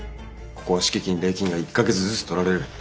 ここは敷金礼金が１か月ずつ取られる。